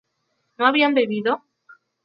¿no habían bebido?